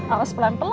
awas pelan pelan ya